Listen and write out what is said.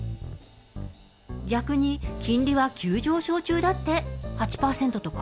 逆に金利は急上昇中だって、８％とか。